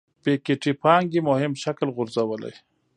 پيکيټي پانګې مهم شکل غورځولی.